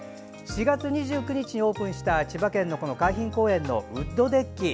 ４月２９日にオープンした千葉県の海浜公園のウッドデッキ。